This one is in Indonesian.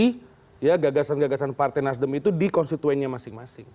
jadi itu adalah gagasan gagasan partai nasdem itu di konstituennya masing masing